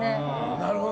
なるほど。